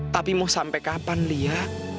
tapi mau sampe kapan li ya